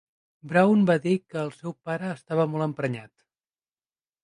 Brown va dir que el seu pare estava molt emprenyat.